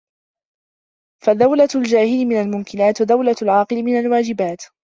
فَدَوْلَةُ الْجَاهِلِ مِنْ الْمُمْكِنَاتِ ، وَدَوْلَةُ الْعَاقِلِ مِنْ الْوَاجِبَاتِ